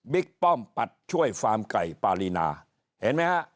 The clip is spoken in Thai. บิ๊กป้อมปัดช่วยฟาร์มไก่ปารีนาเห็นมั้ยฮะ